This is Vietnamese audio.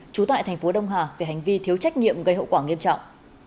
chú tại tp đông hà về hành vi thiếu trách nhiệm gây hậu quả nghiêm trọng